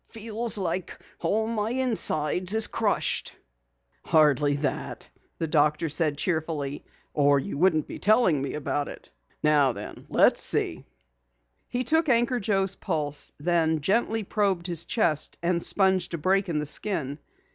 "Feels like all my insides is crushed." "Hardly that," said the doctor cheerfully, "or you wouldn't be telling me about it. Now let's see." He took Anchor Joe's pulse, then gently probed his chest and sponged a break in the skin.